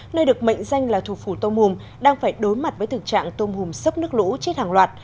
nơi được mệnh danh là thủ phủ tôm hùm đang phải đối mặt với thực trạng tôm hùm sốc nước lũ chết hàng loạt